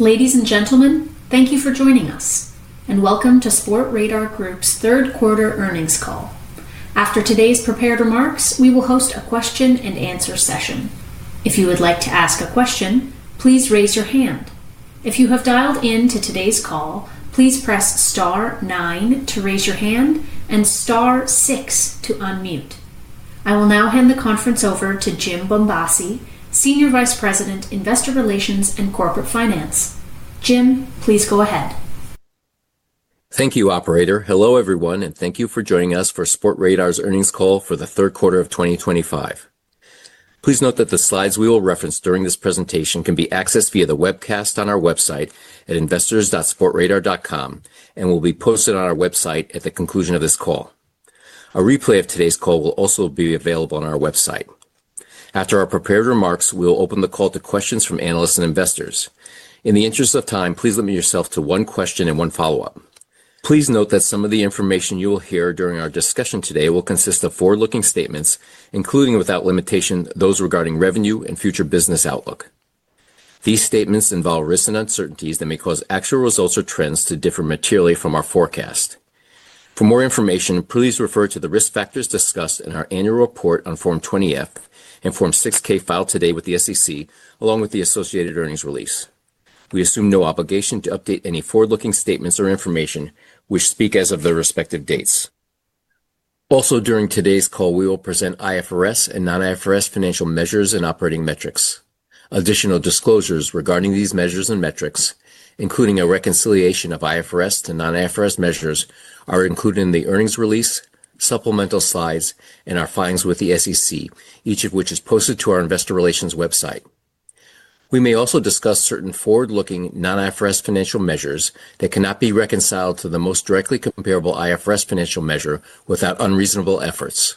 Ladies and gentlemen, thank you for joining us and welcome to Sportradar Group's third quarter earnings call. After today's prepared remarks, we will host a question and answer session. If you would like to ask a question, please raise your hand. If you have dialed in to today's call, please press * 9 to raise your hand and * 6 to unmute. I will now hand the conference over to Jim Bombassei, Senior Vice President, Investor Relations and Corporate Finance. Jim, please go ahead. Thank you. Operator. Hello everyone and thank you for joining us for Sportradar's earnings call for the third quarter of 2025. Please note that the slides we will reference during this presentation can be accessed via the webcast on our website at investors.sportradar.com and will be posted on our website at the conclusion of this call. A replay of today's call will also be available on our website. After our prepared remarks, we will open the call to questions from analysts and investors. In the interest of time, please limit yourself to one question and one follow up. Please note that some of the information you will hear during our discussion today will consist of forward looking statements, including without limitation, those regarding revenue and future business outlook. These statements involve risks and uncertainties that may cause actual results or trends to differ materially from our forecast. For more information, please refer to the risk factors discussed in our annual report on Form 20F and Form 6K filed today with the SEC along with the associated earnings release. We assume no obligation to update any forward looking statements or information which speak as of their respective dates. Also, during today's call we will present IFRS and non-IFRS financial measures and operating metrics. Additional disclosures regarding these measures and metrics, including a reconciliation of IFRS to non-IFRS measures, are included in the earnings release, supplemental slides, and our filings with the SEC, each of which is posted to our investor relations website. We may also discuss certain forward looking non-IFRS financial measures that cannot be reconciled to the most directly comparable IFRS financial measure without unreasonable efforts.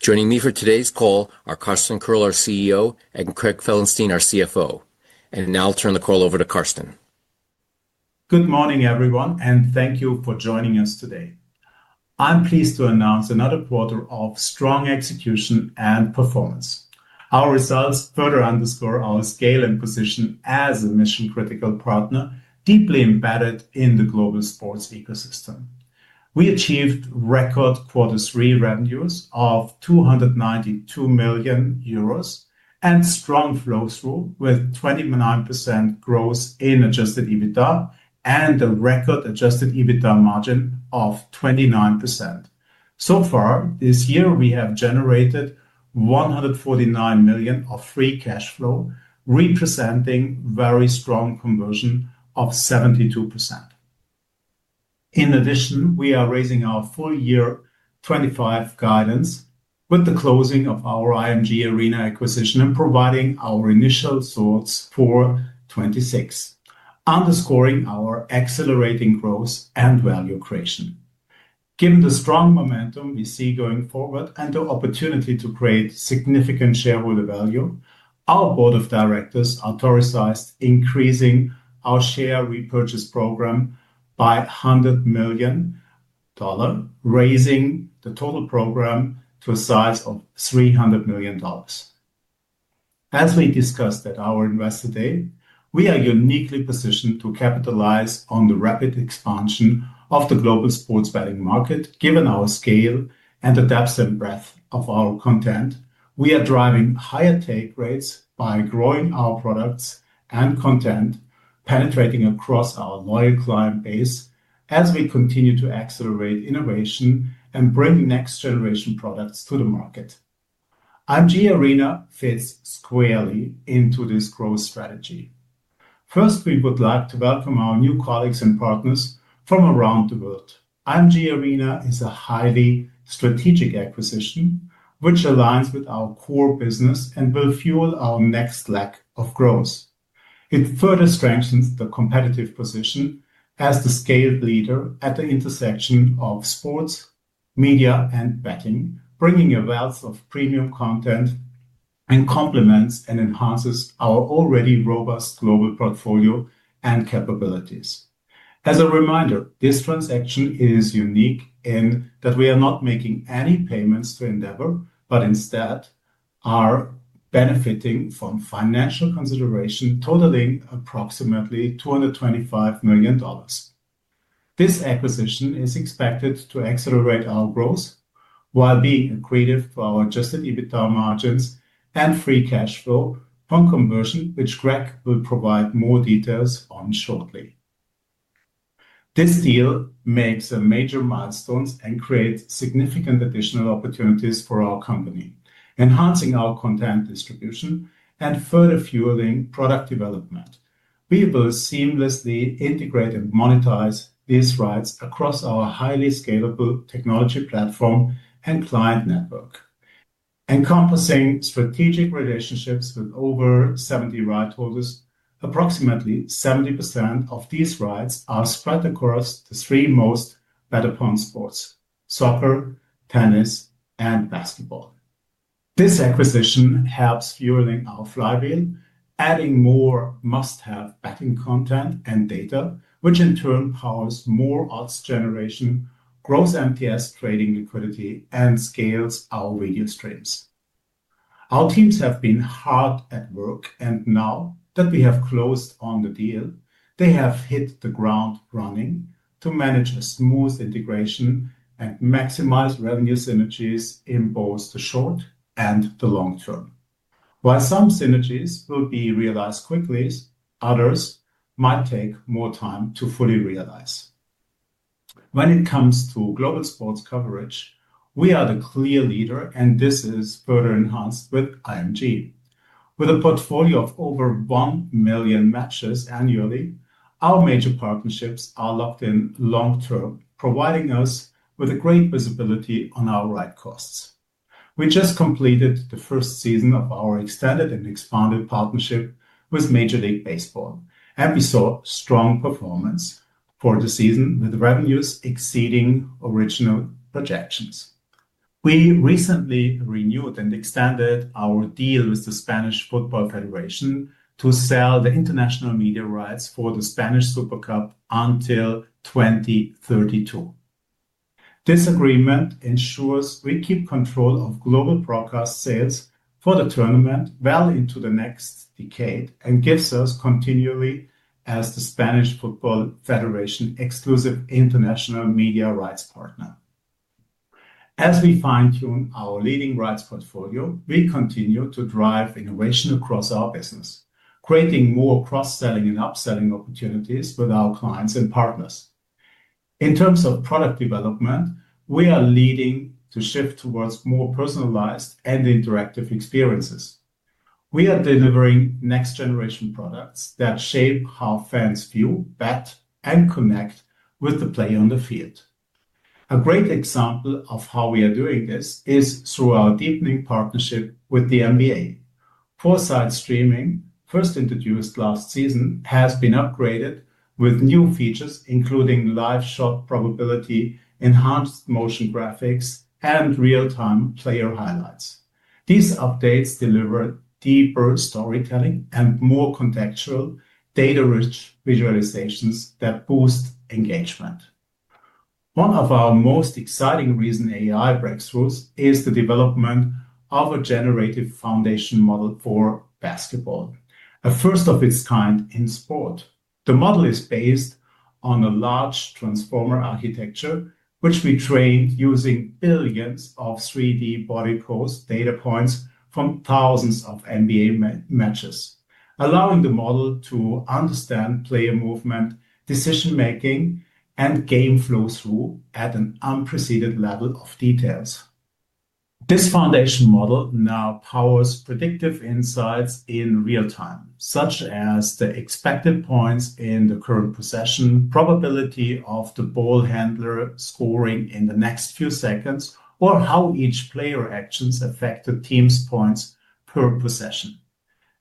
Joining me for today's call are Carsten Koerl, our CEO, and Craig Felenstein, our CFO. I'll turn the call over to Carsten. Good morning everyone and thank you for joining us. Today I'm pleased to announce another quarter of strong execution and performance. Our results further underscore our scale and position as a mission critical partner deeply embedded in the global sports ecosystem. We achieved record quarter three revenues of 292 million euros and strong flow through with 29% growth in Adjusted EBITDA and a record Adjusted EBITDA margin of 29%. So far this year we have generated 149 million of Free Cash Flow representing very strong conversion of 72%. In addition, we are raising our full year 2025 guidance with the closing of our IMG Arena acquisition and providing our initial thoughts for 2026 underscoring our accelerating growth and value creation. Given the strong momentum we see going forward and the opportunity to create significant shareholder value, our Board of Directors authorized increasing our share repurchase program by $100 million, raising the total program to a size of $300 million. As we discussed at our Investor Day, we are uniquely positioned to capitalize on the rapid expansion of the global sports betting market. Given our scale and the depth and breadth of our content, we are driving higher take rates by growing our products and content penetrating across our loyal client base as we continue to accelerate innovation and bring next generation products to the market. IMG Arena fits squarely into this growth strategy. First, we would like to welcome our new colleagues and partners from around the world. IMG Arena is a highly strategic acquisition which aligns with our core business and will fuel our next leg of growth. It further strengthens the competitive position as the scaled leader at the intersection of sports, media and betting, bringing a wealth of premium content and complements and enhances our already robust global portfolio and capabilities. As a reminder, this transaction is unique in that we are not making any payments to Endeavor, but instead are benefiting from financial consideration totaling approximately $225 million. This acquisition is expected to accelerate our growth while being accretive for our Adjusted EBITDA margins and Free Cash Flow from conversion, which Craig will provide more details on shortly. This deal makes major milestones and creates significant additional opportunities for our company, enhancing our content distribution and further fueling product development. We will seamlessly integrate and monetize these rights across our highly scalable technology, platform and client network, encompassing strategic relationships with over 70 right holders. Approximately 70% of these rights are spread across the three most betted soccer, tennis, and basketball. This acquisition helps fueling our flywheel, adding more must-have betting content and data, which in turn powers more odds generation, grows MTS trading liquidity, and scales our video streams. Our teams have been hard at work, and now that we have closed on the deal, they have hit the ground running to manage a smooth integration and maximize revenue synergies in both the short and the long term. While some synergies will be realized quickly, others might take more time to fully realize when it comes to global sports coverage. We are the clear leader, and this is further enhanced with IMG. With a portfolio of over 1 million matches annually, our major partnerships are locked in long term, providing us with great visibility on our rights costs. We just completed the first season of our extended and expanded partnership with Major League Baseball and we saw strong performance for the season with revenues exceeding original projections. We recently renewed and extended our deal with the Spanish Football Federation to sell the international media rights for the Spanish Super Cup until 2032. This agreement ensures we keep control of global broadcast sales for the tournament well into the next decade and gives us continuity as the Spanish Football Federation exclusive international media rights partner. As we fine tune our leading rights portfolio, we continue to drive innovation across our business, creating more cross selling and upselling opportunities with our clients and partners. In terms of product development, we are leading the shift towards more personalized and interactive experiences. We are delivering next generation products that shape how fans view, bet and connect with the player on the field. A great example of how we are doing this is through our deepening partnership with the NBA. Foresight Streaming, first introduced last season, has been upgraded with new features including live shot probability, enhanced motion graphics, and real time player highlights. These updates deliver deeper storytelling and more contextual data rich visualizations that boost engagement. One of our most exciting recent AI breakthroughs is the development of our Generative Foundation Model for basketball, a first of its kind in sport. The model is based on a large transformer architecture which we trained using billions of 3D body pose data points from thousands of NBA matches, allowing the model to understand player movement, decision making, and game flow at an unprecedented level of details. This foundation model now powers predictive insights in real time such as the expected points in the current possession, probability of the ball handler scoring in the next few seconds, or how each player actions affect the team's points per possession.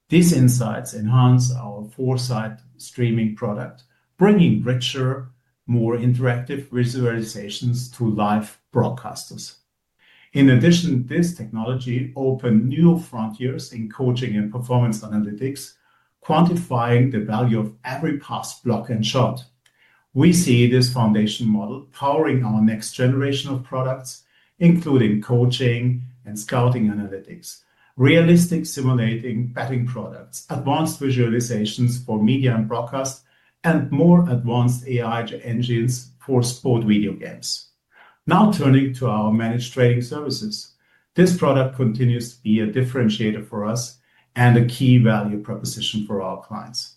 These insights enhance our Foresight Streaming product, bringing richer, more interactive visualizations to live broadcasters. In addition, this technology opened new frontiers in coaching and performance analytics, quantifying the value of every past block and shot. We see this foundation model powering our next generation of products including coaching and scouting analytics, realistic simulating betting products, advanced visualizations for media and broadcast, and more advanced AI engines for sport video games. Now turning to our Managed Trading Services, this product continues to be a differentiator for us and a key value proposition for our clients.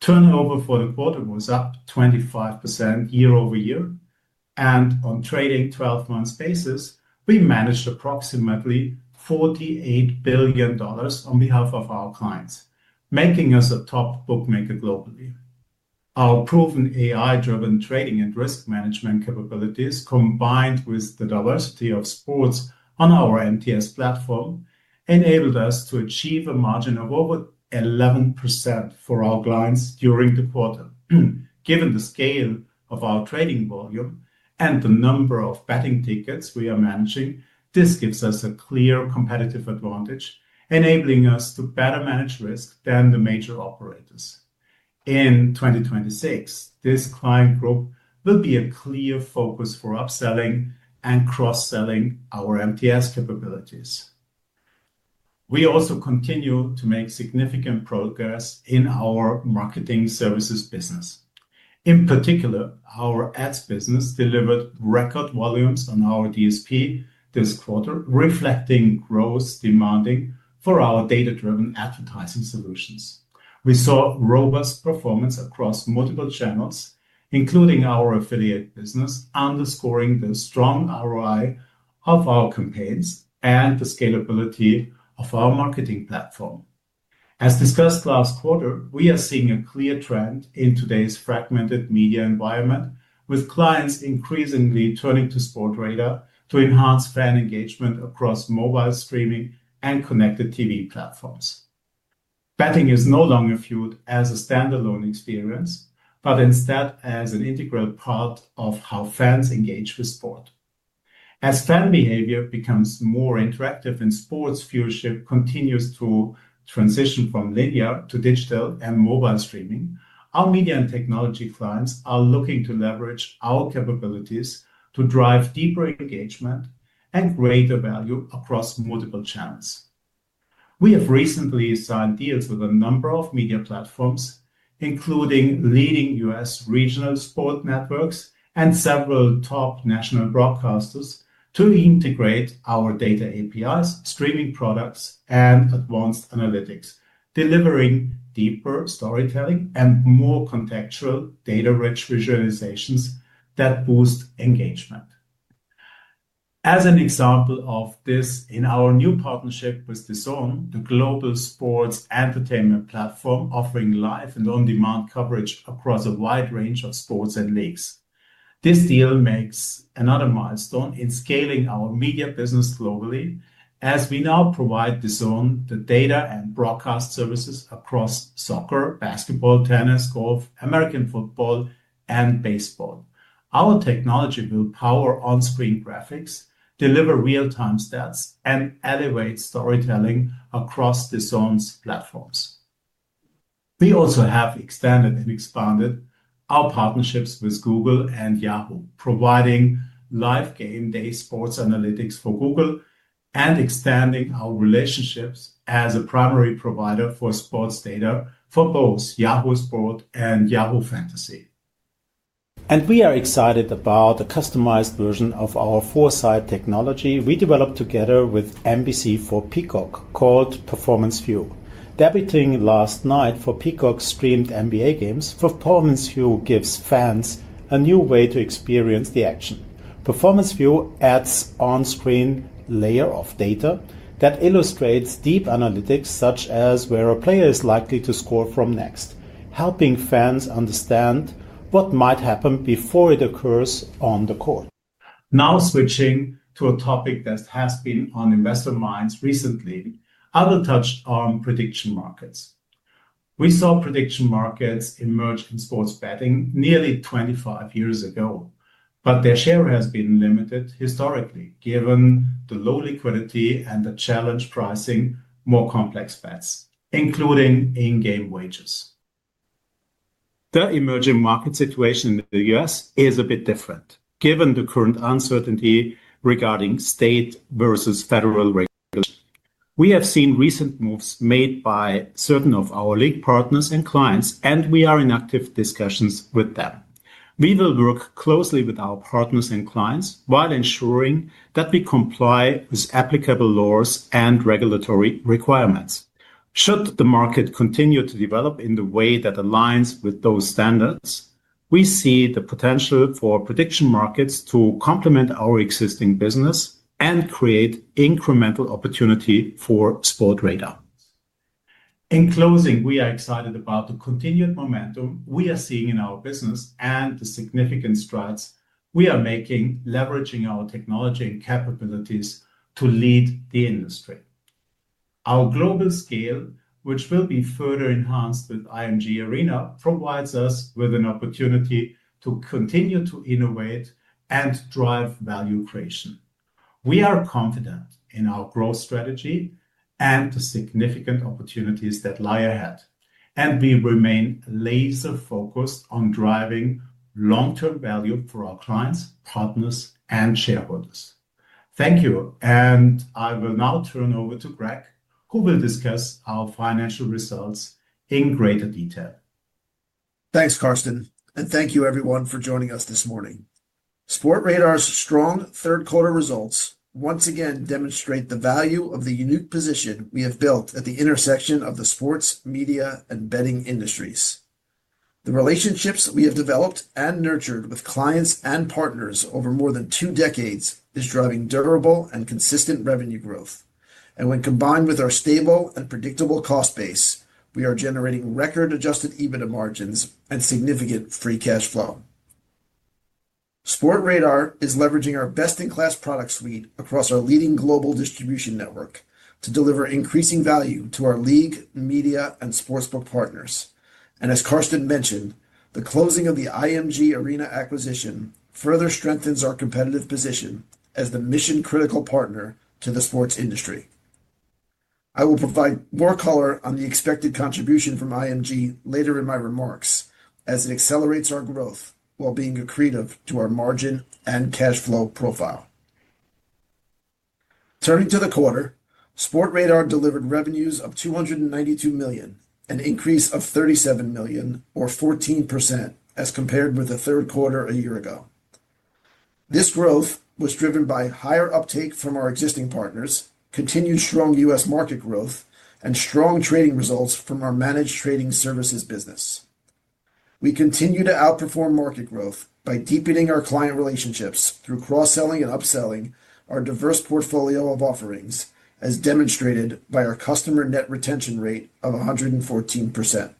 Turnover for the quarter was up 25% year over year and on trading 12 months basis. We managed approximately $48 billion on behalf of our clients, making us a top bookmaker globally. Our proven AI driven trading and risk management capabilities combined with the diversity of sports on our MTS platform enabled us to achieve a margin of over 11% for our clients during the quarter. Given the scale of our trading volume and the number of betting tickets we are managing, this gives us a clear competitive advantage and enabling us to better manage risk than the major operators. In 2026, this client group will be a clear focus for upselling and cross selling our MTS capabilities. We also continue to make significant progress in our marketing services business. In particular, our Ads Business delivered record volumes on our DSP and this quarter reflecting growth demanding for our data-driven advertising solutions. We saw robust performance across multiple channels including our affiliate business, underscoring the strong ROI of our campaigns and the scalability of our marketing platform. As discussed last quarter, we are seeing a clear trend in today's fragmented media environment with clients increasingly turning to Sportradar to enhance fan engagement across mobile, streaming connected TV platforms. Betting is no longer viewed as a standalone experience, but instead as an integral part of how fans engage with sport. As fan behavior becomes more interactive in sports, viewership continues through transition from linear to digital and mobile streaming. Our media and technology clients are looking to leverage our capabilities to drive deeper engagement and greater value across multiple channels. We have recently signed deals with a number of media platforms including leading US regional sport networks and several top national broadcasters to integrate our data, APIs, streaming products, and advanced analytics, delivering deeper storytelling and more contextual data-rich visualizations that boost engagement. As an example of this, in our new partnership with DAZN, the global sports entertainment platform offering live and on demand coverage across a wide range of sports and leagues. This deal makes another milestone in scaling our media business globally as we now provide DAZN the data and broadcast services across soccer, basketball, tennis, golf, American football and baseball. Our technology will power on screen graphics, deliver real time stats and elevate storytelling across DAZN's platforms. We also have extended and expanded our partnerships with Google and Yahoo, providing live game day sports analytics for Google and expanding our relationships as a primary provider for sports data for both Yahoo Sports and Yahoo Fantasy. We are excited about a customized version of our Foresight technology we developed together with NBC for Peacock called Performance View. Debuting last night for Peacock streamed NBA games for Peacock, Performance View gives fans a new way to experience the action. Performance View adds on-screen layer of data that illustrates deep analytics such as where a player is likely to score from next, helping fans understand what might happen before it occurs on the court. Now switching to a topic that has been on investor minds recently, Adel touched on prediction markets. We saw prediction markets emerge in sports betting nearly 25 years ago, but their share has been limited historically given the low liquidity and the challenge pricing more complex bets including in-game wagers. The emerging market situation in the U.S. is a bit different given the current uncertainty regarding state versus federal regulation. We have seen recent moves made by certain of our league partners and clients and we are in active discussions with them. We will work closely with our partners and clients while ensuring that we comply with applicable laws and regulatory requirements. Should the market continue to develop in the way that aligns with those standards, we see the potential for prediction markets to complement our existing business and create incremental opportunity for Sportradar. In closing, we are excited about the continued momentum we are seeing in our business and the significant strides we are making leveraging our technology and capabilities to lead the industry. Our global scale, which will be further enhanced with IMG Arena, provides us with an opportunity to continue to innovate and drive value creation. We are confident in our growth strategy and the significant opportunities that lie ahead and we remain laser focused on driving long term value for our clients, partners and shareholders. Thank you and I will now turn over to Craig who will discuss our financial results in greater detail. Thanks Carsten and thank you everyone for joining us this morning. Sportradar's strong third quarter results once again demonstrate the value of the unique position we have built at the intersection of the sports, media and betting industries. The relationships we have developed and nurtured with clients and partners over more than two decades is driving durable and consistent revenue growth and when combined with our stable and predictable cost base, we are generating record Adjusted EBITDA margins and significant Free Cash Flow. Sportradar is leveraging our best-in-class product suite across our leading global distribution network to deliver increasing value to our league, media and sportsbook partners. As Carsten mentioned, the closing of the IMG Arena acquisition further strengthens our competitive position as the mission critical partner to the sports industry. I will provide more color on the expected contribution from IMG Arena later in my remarks as it accelerates our growth while being accretive to our margin and cash flow profile. Turning to the quarter, Sportradar delivered revenues of 292 million, an increase of 37 million or 14% as compared with the third quarter a year ago. This growth was driven by higher uptake from our existing partners, continued strong US market growth and strong trading results from our Managed Trading Services business. We continue to outperform market growth by deepening our client relationships through cross selling and upselling our diverse portfolio of offerings as demonstrated by our customer net retention rate of 114%.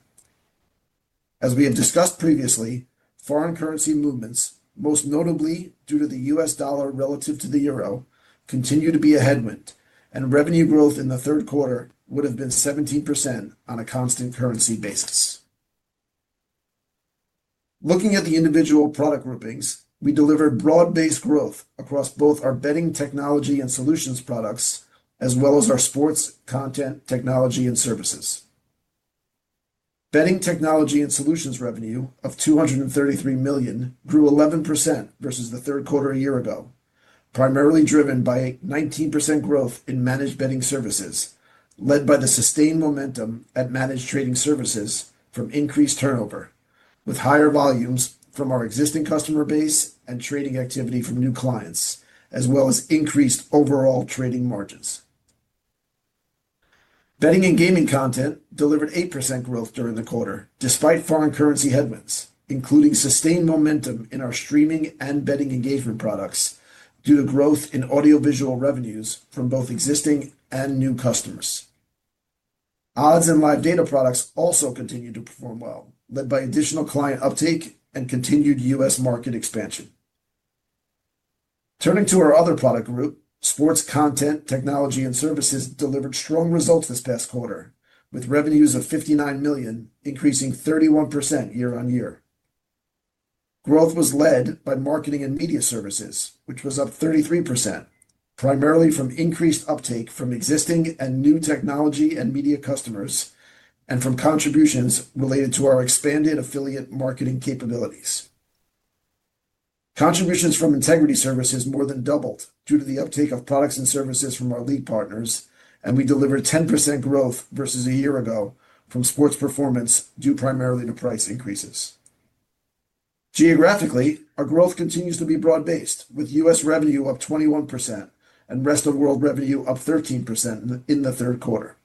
As we have discussed previously, foreign currency movements, most notably due to the US dollar relative to the euro, continue to be a headwind and revenue growth in the third quarter would have been 17% on a constant currency basis. Looking at the individual product groupings, we delivered broad-based growth across both our betting technology and solutions products as well as our sports content technology and services. Betting technology and solutions revenue of 233 million grew 11% versus the third quarter a year ago, primarily driven by 19% growth in managed betting services led by the sustained momentum at Managed Trading Services from increased turnover with higher volumes from our existing customer base and trading activity from new clients as well as increased overall trading margins. Betting and gaming content delivered 8% growth during the quarter despite foreign currency headwinds, including sustained momentum in our streaming and betting engagement products due to growth in audiovisual revenues from both existing and new customers. Odds and live data products also continue to perform well, led by additional client uptake and continued US market expansion. Turning to our other product group, sports content technology and services delivered strong results this past quarter with revenues of 59 million, increasing 31% year on year. Growth was led by marketing and media services, which was up 33%, primarily from increased uptake from existing and new technology and media customers and from contributions related to our expanded affiliate marketing capabilities. Contributions from Integrity Services more than doubled due to the uptake of products and services from our league partners and we delivered 10% growth versus a year ago from sports performance due primarily to price increases. Geographically, our growth continues to be broad based with U.S. revenue up 21% and rest of world revenue up 13%. In the third quarter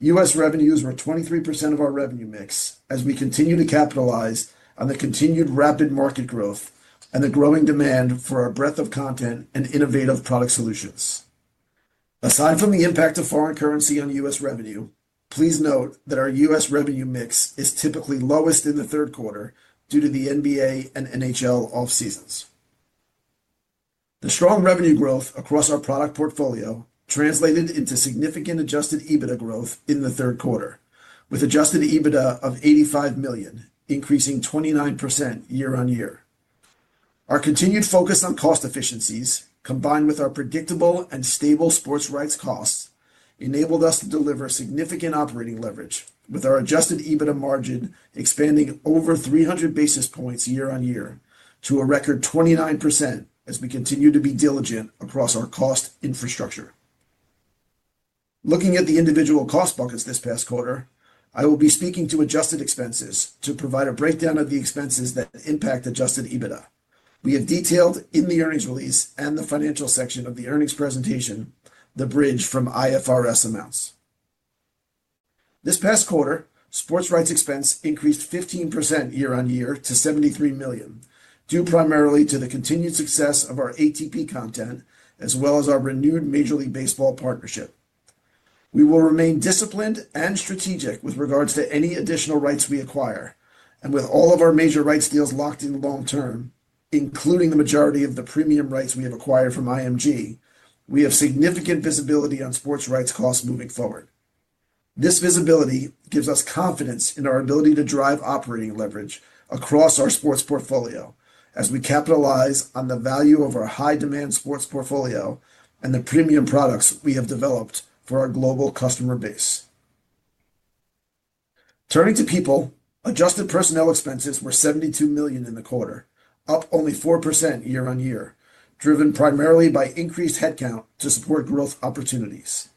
U.S. revenues were 23% of our revenue mix as we continue to capitalize on the continued rapid market growth and the growing demand for our breadth of content and innovative product solutions. Aside from the impact of foreign currency on U.S. revenue, please note that our U.S. revenue mix is typically lowest in the third quarter due to the NBA and NHL off seasons. The strong revenue growth across our product portfolio translated into significant Adjusted EBITDA growth in the third quarter with Adjusted EBITDA of 85 million increasing 29% year on year. Our continued focus on cost efficiencies combined with our predictable and stable sports rights costs enabled us to deliver significant operating leverage with our Adjusted EBITDA margin expanding over 300 basis points year on year to a record 29% as we continue to be diligent across our cost infrastructure. Looking at the individual cost buckets this past quarter, I will be speaking to adjusted expenses to provide a breakdown of the expenses that impact Adjusted EBITDA. We have detailed in the earnings release and the Financial section of the earnings presentation the bridge from IFRS amounts this past quarter. Sports rights expense increased 15% year on year to 73 million due primarily to the continued success of our ATP content as well as our renewed Major League Baseball partnership. We will remain disciplined and strategic with regards to any additional rights we acquire. With all of our major rights deals locked in long term, including the majority of the premium rights we have acquired from IMG Arena, we have significant visibility on sports rights costs moving forward. This visibility gives us confidence in our ability to drive operating leverage across our sports portfolio as we capitalize on the value of our high demand sports portfolio and the premium products we have developed for our global customer base. Turning to people, adjusted personnel expenses were 72 million in the quarter, up only 4% year on year, driven primarily by increased headcount to support growth opportunities.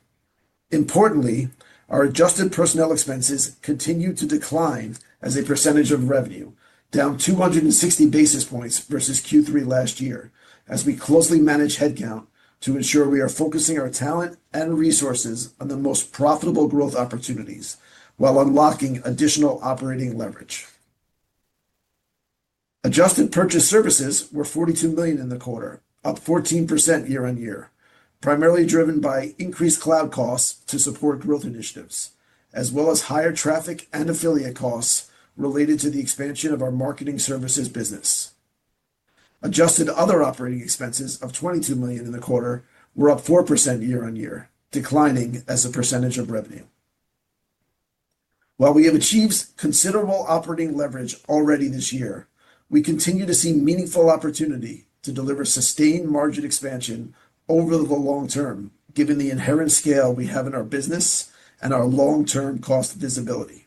Importantly, our adjusted personnel expenses continue to decline as a percentage of revenue, down 260 basis points versus Q3 last year as we closely manage headcount to ensure we are focusing our talent and resources on the most profitable growth opportunities while unlocking additional operating leverage. Adjusted purchase services were 42 million in the quarter, up 14% year on year, primarily driven by increased cloud costs to support growth initiatives as well as higher traffic and affiliate costs related to the expansion of our marketing services business. Adjusted other operating expenses of 22 million in the quarter were up 4% year on year, declining as a percentage of revenue. While we have achieved considerable operating leverage already this year, we continue to see meaningful opportunity to deliver sustained margin expansion over the long term given the inherent scale we have in our business and our long term cost visibility.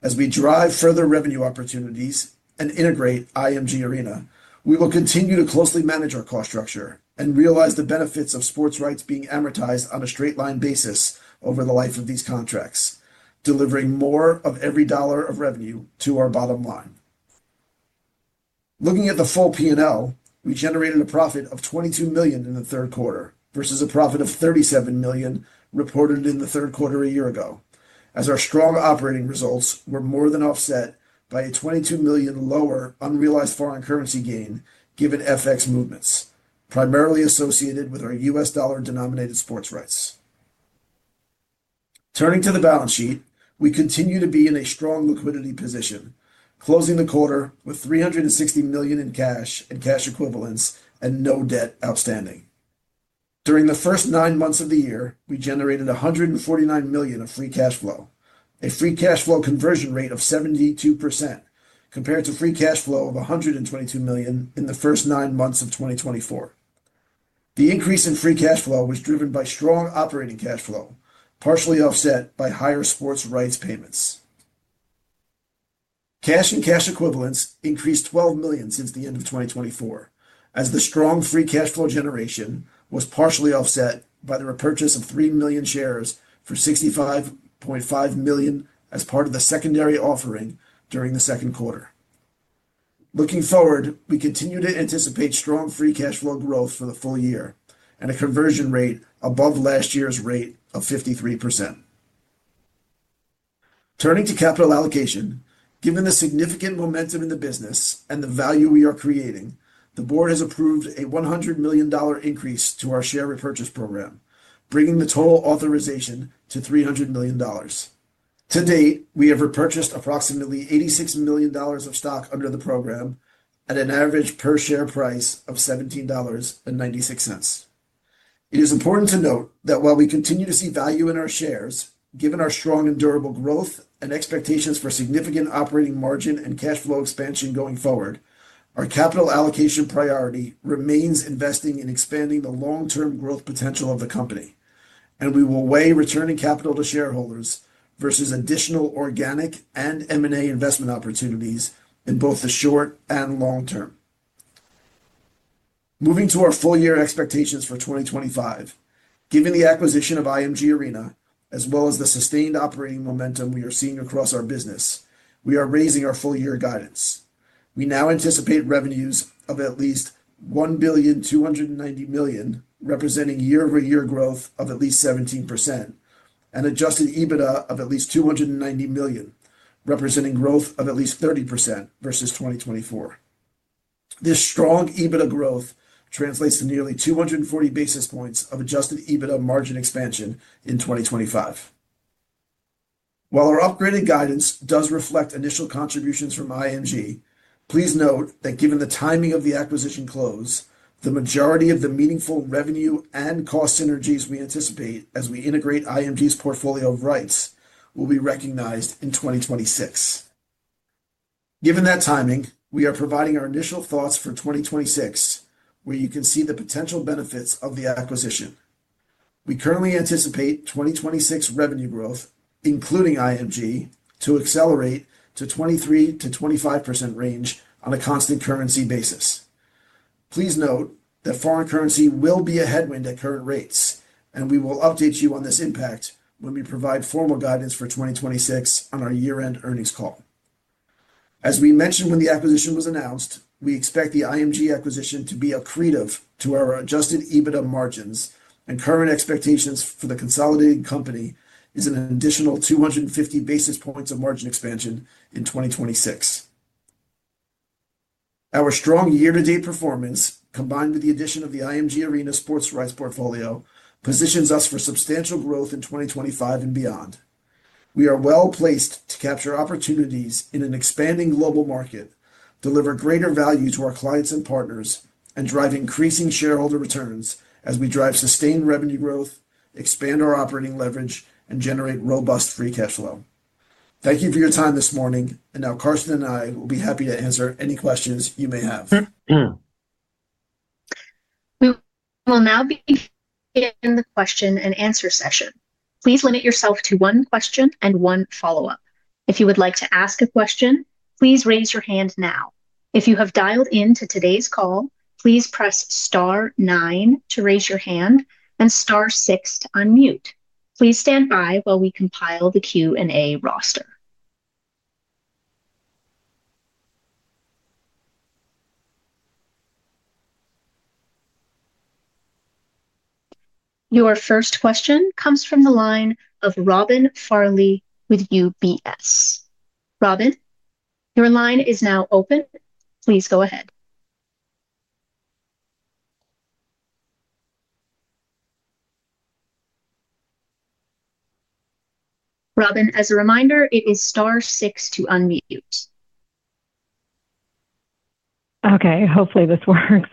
As we drive further revenue opportunities and integrate IMG Arena, we will continue to closely manage our cost structure and realize the benefits of sports rights being amortized on a straight line basis over the life of these contracts, delivering more of every dollar of revenue to our bottom line. Looking at the full P&L, we generated a profit of 22 million in the third quarter versus a profit of 37 million reported in the third quarter a year ago as our strong operating results were more than offset by a 22 million lower unrealized foreign currency gain given FX movements primarily associated with our US dollar denominated sports rights. Turning to the balance sheet, we continue to be in a strong liquidity position, closing the quarter with $360 million in cash and cash equivalents and no debt outstanding. During the first nine months of the year, we generated 149 million of Free Cash Flow, a Free Cash Flow conversion rate of 72% compared to Free Cash Flow of 122 million in the first nine months of 2024. The increase in Free Cash Flow was driven by strong operating cash flow partially offset by higher sports rights payments. Cash and cash equivalents increased $12 million since the end of 2024 as the strong Free Cash Flow generation was partially offset by the repurchase of 3 million shares for $65.5 million as part of the secondary offering during the second quarter. Looking forward, we continue to anticipate strong Free Cash Flow growth for the full year and a conversion rate above last year's rate of 53%. Turning to capital allocation, given the significant momentum in the business and the value we are creating, the Board has approved a $100 million increase to our share repurchase program, bringing the total authorization to $300 million. To date, we have repurchased approximately $86 million of stock under the program at an average per share price of $17.96. It is important to note that while we continue to see value in our shares given our strong and durable growth and expectations for significant operating margin and cash flow expansion going forward, our capital allocation priority remains investing in expanding the long term growth potential of the company and we will weigh returning capital to shareholders versus additional organic and M&A investment opportunities in both the short and long term. Moving to our full year expectations for 2025. Given the acquisition of IMG Arena as well as the sustained operating momentum we are seeing across our business, we are raising our full year guidance. We now anticipate revenues of at least 1.29 billion representing year-over-year growth of at least 17% and Adjusted EBITDA of at least 290 million representing growth of at least 30% versus 2024. This strong EBITDA growth translates to nearly 240 basis points of Adjusted EBITDA margin expansion in 2025. While our upgraded guidance does reflect initial contributions from IMG Arena, please note that given the timing of the acquisition close, the majority of the meaningful revenue and cost synergies we anticipate as we integrate IMG Arena's portfolio of rights will be recognized in 2026. Given that timing, we are providing our initial thoughts for 2026 where you can see the potential benefits of the acquisition. We currently anticipate 2026 revenue growth, including IMG Arena, to accelerate to the 23%-25% range on a constant currency basis. Please note that foreign currency will be a headwind at current rates and we will update you on this impact when we provide formal guidance for 2026 on our year end earnings call. As we mentioned when the acquisition was announced, we expect the IMG Arena acquisition to be accretive to our Adjusted EBITDA margins and current expectations for the consolidated company is an additional 250 basis points of margin expansion in 2026. Our strong year to date performance combined with the addition of the IMG Arena Sports Rights portfolio positions us for substantial growth in 2025 and beyond. We are well placed to capture opportunities in an expanding global market, deliver greater value to our clients and partners, and drive increasing shareholder returns as we drive sustained revenue growth, expand our operating leverage and generate robust Free Cash Flow. Thank you for your time this morning and now Carsten and I will be happy to answer any questions you may have. We will now be in the question and answer session. Please limit yourself to one question and one follow up. If you would like to ask a question, please raise your hand. Now. If you have dialed in to today's call, please press * 9 to raise your hand and * 6 to unmute. Please stand by while we compile the Q and A roster. Your first question comes from the line of Robin Farley with UBS. Robin, your line is now open. Please go ahead. Robin. As a reminder, it is * 6 to unmute. Okay, hopefully this works.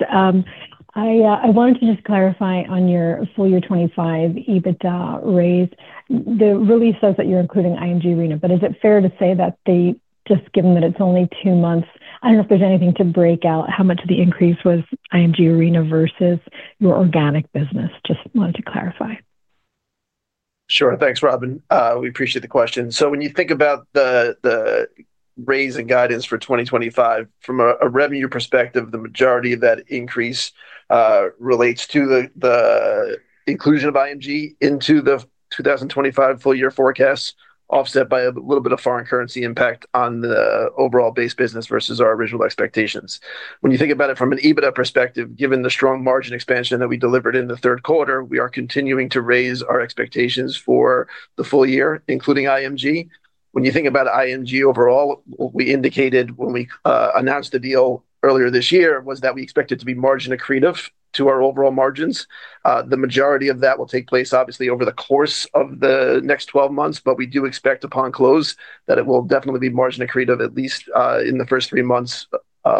I wanted to just clarify on your. Full year 2025 EBITDA raise, the release says that you're including IMG Arena, but is it fair to say that the just given that it's only two months. I don't know if there's anything to break out. How much of the increase was IMG Arena versus your organic business? Just wanted to clarify. Sure. Thanks, Robin. We appreciate the question. When you think about the raise in guidance for 2025 from a revenue perspective, the majority of that increase relates to the inclusion of IMG Arena into the 2025 full year forecast, offset by a little bit of foreign currency impact on the overall base business versus our original expectations. When you think about it from an EBITDA perspective, given the strong margin expansion that we delivered in the third quarter, we are continuing to raise our expect the full year, including IMG Arena. When you think about IMG Arena overall, what we indicated when we announced the deal earlier this year was that we expect it to be margin accretive to our overall margins. The majority of that will take place obviously over the course of the next 12 months, but we do expect upon close that it will definitely be margin accretive, at least in the first three months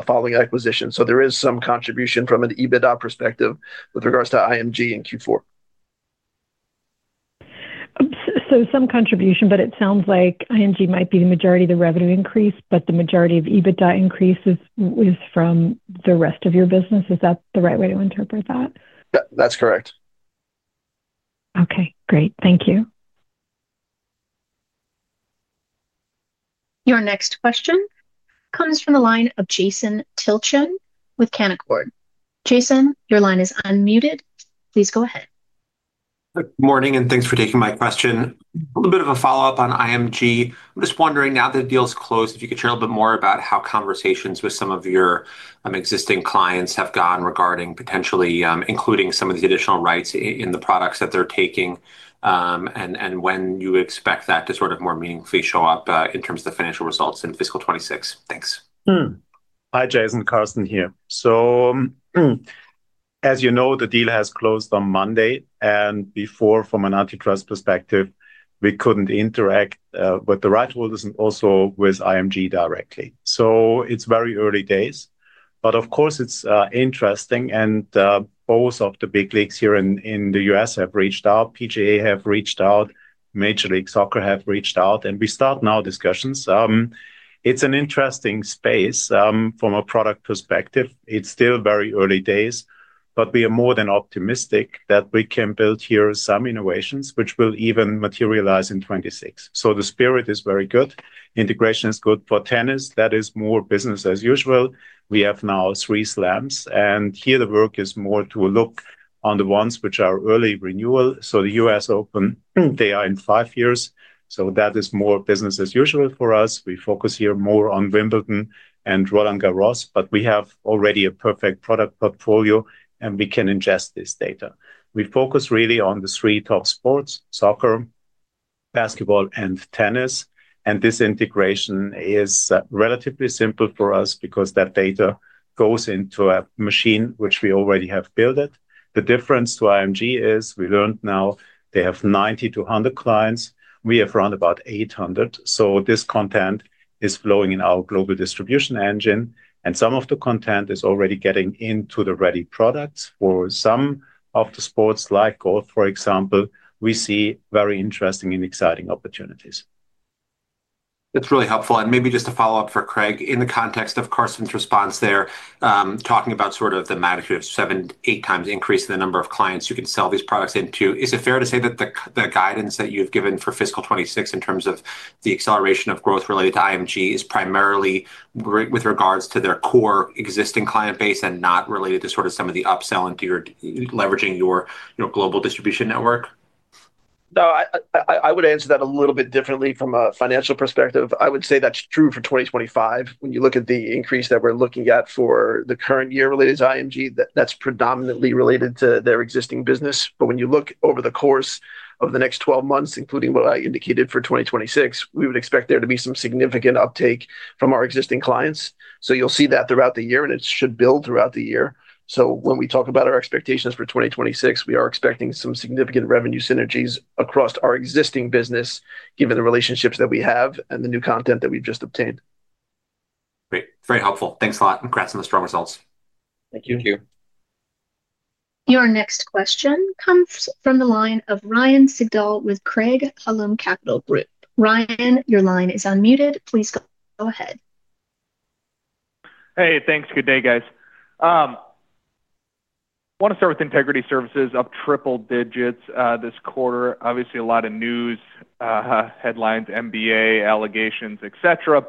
following acquisition. There is some contribution from an EBITDA perspective with regards to IMG Arena in Q4. Some contribution, but it sounds like IMG might be the majority of the revenue increase, but the majority of EBITDA increase is from the rest of your business is that the right way to interpret that? That's correct. Okay, great. Thank you. Your next question comes from the line of Jason Tilchin with Canaccord. Jason, your line is unmuted. Please go ahead. Morning and thanks for taking my question. A little bit of a follow up on IMG. I'm just wondering now the deal's closed, if you could share a bit more about how conversations with some of your existing clients have gone regarding potentially including some of the additional rights in the products that they're taking and when you expect that to sort of more meaningfully show up in terms of the financial results in fiscal 2026. Thanks. Hi, Jason, Carsten here. As you know, the deal has closed on Monday and before, from an antitrust perspective, we couldn't interact with the right holders and also with IMG directly. It is very early days. Of course, it is interesting and both of the big leagues here in the U.S. have reached out, PGA have reached out, Major League Soccer have reached out, and we start now discussions. It is an interesting space from a product perspective. It is still very early days, but we are more than optimistic that we can build here some innovations which will even materialize in 2026. The spirit is very good. Integration is good for tennis. That is more business as usual. We have now three slams and here the work is more to look on the ones which are early renewal. The U.S. Open, they are in five years. That is more business as usual for us. We focus here more on Wimbledon and Roland Garros, but we have already a perfect product portfolio and we can ingest this data. We focus really on the three top sports, soccer, basketball, and tennis. This integration is relatively simple for us because that data goes into a machine which we already have built. The difference to IMG is we learned now they have 90, 200 clients, we have around about 800. This content is flowing in our global distribution engine and some of the content is already getting into the ready products for some of the sports, like golf for example. We see very interesting and exciting opportunities. That's really helpful and maybe just a. Follow up for Craig in the context of Carsten's response there, talking about sort of the magnitude of seven, eight times. Increase in the number of clients you can sell these products into, is it fair to say that the guidance that you've got given for fiscal 2026 in terms of the acceleration of growth related to IMG Arena is primarily with regards to their core existing client base and not related to sort of some of the upsell into your leveraging your global distribution network? No, I would answer that a little bit differently. From a financial perspective, I would say that's true for 2025. When you look at the increase that we're looking at for the current year related to IMG Arena, that's predominantly related to their existing business. When you look over the course of the next 12 months, including what I indicated for 2025, we would expect there to be some significant uptake from our existing clients. You will see that throughout the year and it should build throughout the year. When we talk about our expectations for 2026, we are expecting some significant revenue synergies across our existing business given the relationships that we have and the new content that we've just obtained. Great, very helpful. Thanks a lot. Congrats on the strong results. Thank you. Your next question comes from the line of Ryan Sigdahl with Craig-Hallum Capital Group. Ryan, your line is unmuted. Please go ahead. Hey, thanks. Good day guys. Want to start with Integrity Services up triple digits this quarter. Obviously a lot of news headlines, NBA allegations, etc.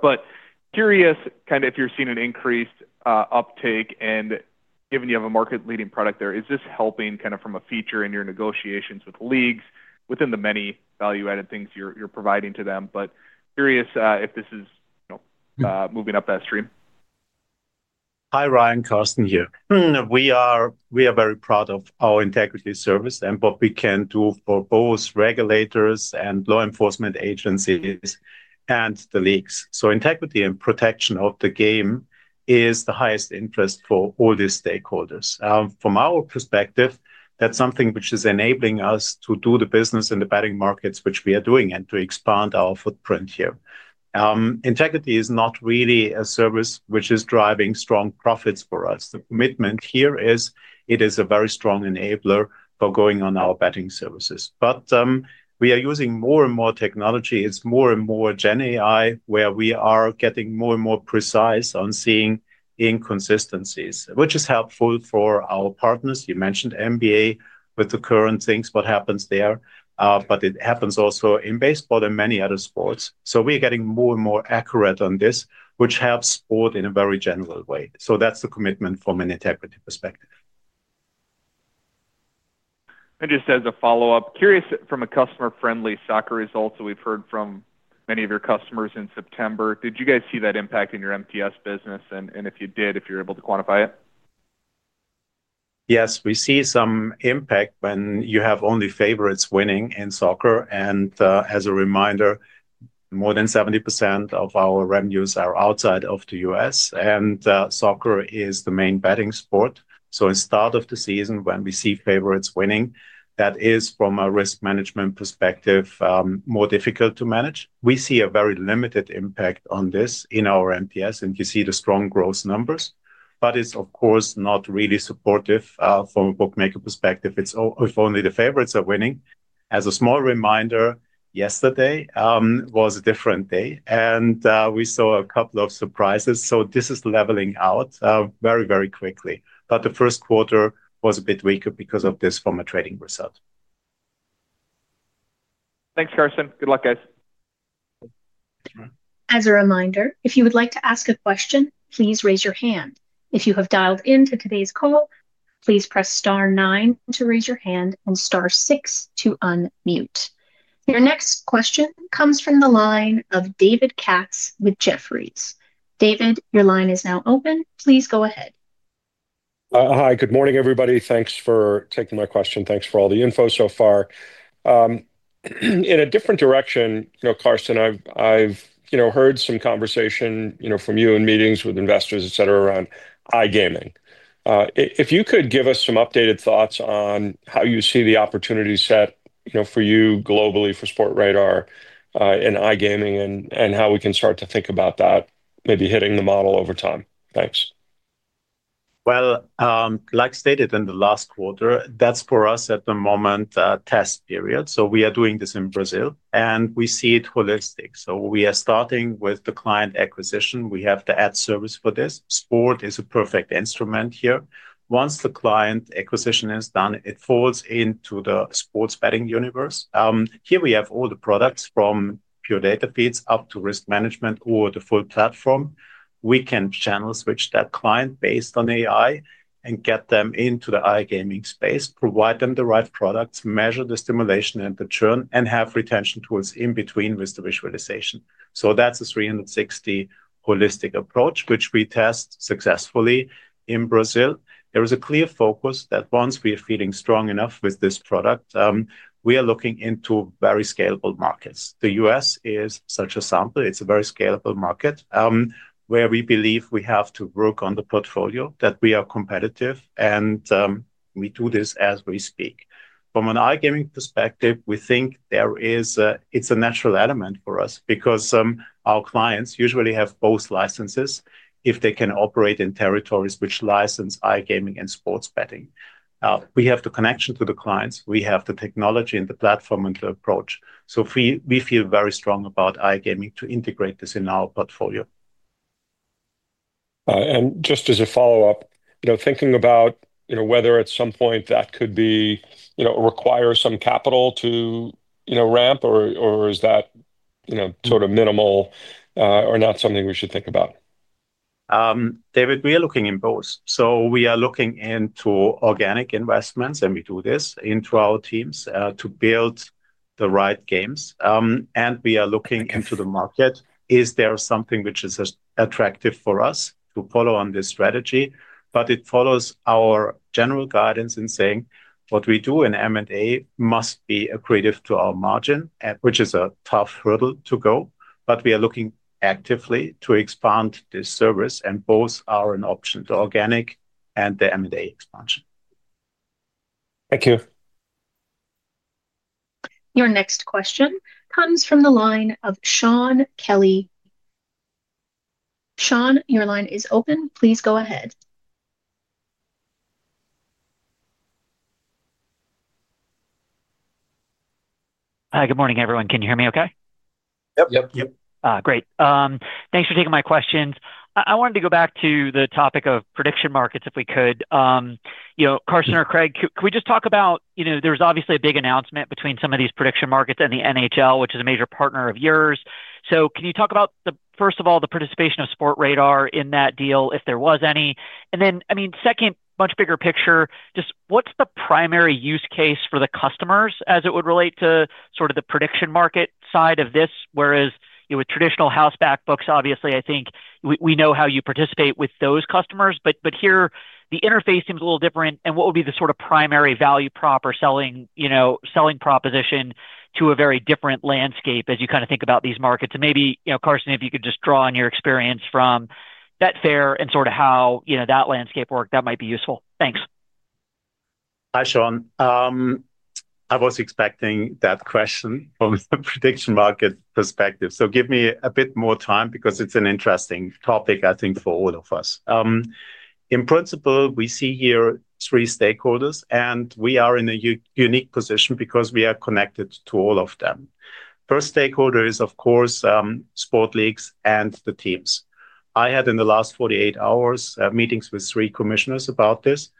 Curious kind of if you're seeing an increased uptake and given you have a market leading product, is this helping kind of from a feature in your negotiations with leagues within the many value added things you're providing to them. Curious if this is moving up that stream. Hi, Ryan, Carsten here. We are very proud of our Integrity Services and what we can do for both regulators and law enforcement agencies and the leagues. Integrity and protection of the game is the highest interest for all the stakeholders. From our perspective, that's something which is enabling us to do the business in the betting markets which we are doing and to expand our footprint here. Integrity is not really a service which is driving strong profits for us. The commitment here is it is a very strong enabler for going on our betting services. We are using more and more technology. It's more and more Gen AI where we are getting more and more precise on seeing inconsistencies which is helpful for our partners. You mentioned NBA with the current things what happens there. It happens also in baseball and many other sports. We are getting more and more accurate on this which helps sport in a very general way. That is the commitment from an integrity perspective. Just as a follow up, curious from a customer friendly soccer results that we've heard from many of your customers in September, did you guys see that impact in your MTS business? And if you did, if you're able to close quantify it? Yes, we see some impact when you have only favorites winning in soccer. As a reminder, more than 70% of our revenues are outside of the U.S. and soccer is the main betting sport. In the start of the season when we see favorites winning, that is from a risk management perspective more difficult to manage. We see a very limited impact on this in our MTS and you see the strong growth numbers, but it is of course not really supportive. From a bookmaker perspective, it is if only the favorites are winning. As a small reminder, yesterday was a different day and we saw a couple of surprises. This is leveling out very, very quickly. The first quarter was a bit weaker because of this from a trading result. Thanks Carsten. Good luck guys. As a reminder, if you would like to ask a question, please raise your hand. If you have dialed in to today's call, please press * 9 to raise your hand and * 6 to unmute. Your next question comes from the line of David Katz with Jefferies. David, your line is now open. Please go ahead. Hi, good morning everybody. Thanks for taking my question. Thanks for all the info so far. In a different direction, Carsten, I've heard some conversation, you know, from you in meetings with investors, etc., around iGaming. If you could give us some updated thoughts on how you see the opportunity set, you know, for you globally for Sportradar and iGaming and how we can start to think about that maybe hitting the model over time. Thanks. Like stated in the last quarter, that's for us at the moment, test period. We are doing this in Brazil and we see it holistic. We are starting with the client acquisition we have. The ad service for this sport is a perfect instrument here. Once the client acquisition is done, it falls into the sports betting universe. Here we have all the products from pure data feeds up to risk management or the full platform. We can channel switch that client based on AI and get them into the iGaming space, provide them the right products, measure the stimulation and the churn and have retention tools in between with the visualization. That's a 360 holistic approach which we test successfully in Brazil. There is a clear focus that once we are feeling strong enough with this product, we are looking into very scalable markets. The U.S. is such a sample. It's a very scalable market where we believe we have to work on the portfolio, that we are competitive. We do this as we speak from an iGaming perspective. We think there is. It's a natural element for us because our clients usually have both licenses if they can operate in territories which license iGaming and sports betting. We have the connection to the clients, we have the technology and the platform and the approach. We feel very strong about iGaming to integrate this in our portfolio. Just as a follow up, you know, thinking about, you know, whether at some point that could be, you know, require some capital to, you know, ramp or is that, you know, sort of minimal or not something we should think about? David, we are looking in both. We are looking into organic investments and we do this into our teams to build the right games and we are looking into the market. Is there something which is attractive for us to follow on this strategy, it follows our general guidance in saying what we do in M and A must be accretive to our margin, which is a tough hurdle to go. We are looking actively to expand this service and both are an option, the organic and the M&A expansion. Thank you. Your next question comes from the line of Shaun Kelly. Shaun, your line is open. Please go ahead. Hi, good morning everyone. Can you hear me okay? Great. Thanks for taking my questions. I wanted to go back to the topic of prediction markets. If we could, you know, Carsten or Craig, can we just talk about, you know, there's obviously a big announcement between some of these prediction markets and the NHL, which is a major partner of yours. So can you talk about the, first of all, the participation of Sportradar in that deal, if there was any. I mean, second, much bigger picture, just what's the primary use case for the customers as it would relate to sort of the prediction market side of this. Whereas you with traditional house-backed books, obviously I think we know how you participate with those customers, but here the interface seems a little different. What would be the sort of primary value prop or selling, you know, selling proposition to a very different landscape as you kind of think about these markets? Maybe, you know, Carsten, if you could just draw on your experience at Betfair and sort of how you know that landscape worked, that might be useful. Thanks. Hi Shaun, I was expecting that question from the prediction market perspective. Give me a bit more time because it's an interesting topic, I think for all of us. In principle, we see here three stakeholders and we are in a unique position because we are connected to all of them. First stakeholder is of course sport leagues and the teams. I had in the last 48 hours meetings with three commissioners about this